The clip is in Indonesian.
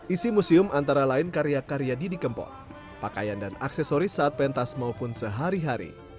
isi museum antara lain karya karya didi kempot pakaian dan aksesoris saat pentas maupun sehari hari